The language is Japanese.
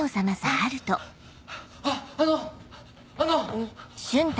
あっあのあの！